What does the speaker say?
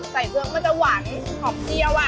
ใส่เครื่องเขาจะหวานขอบเจียว